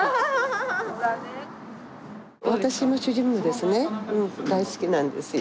私の主人もですね大好きなんですよ。